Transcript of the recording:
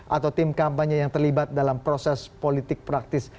atau tim kampanye yang terlibat dalam proses politik praktis